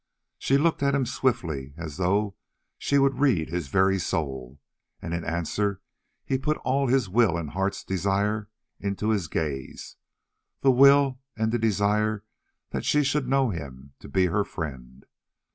She looked at him swiftly as though she would read his very soul, and in answer he put all his will and heart's desire into his gaze, the will and the desire that she should know him to be her friend.